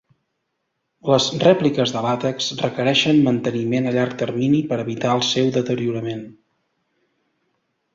Les rèpliques de làtex requereixen manteniment a llarg termini per evitar el seu deteriorament.